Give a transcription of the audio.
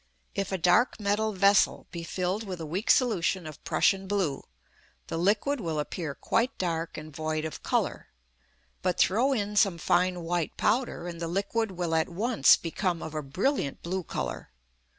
If a dark metal vessel be filled with a weak solution of Prussian blue, the liquid will appear quite dark and void of colour. But throw in some fine white powder, and the liquid will at once become of a brilliant blue colour.